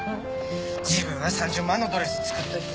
自分は３０万のドレス作っといて。